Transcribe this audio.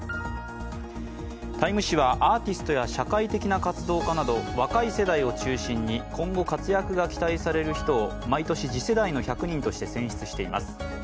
「タイム」誌はアーティストや社会的な活動家など若い世代を中心に今後、活躍が期待される人を毎年「次世代の１００人」として選出しています。